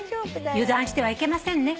油断してはいけませんね」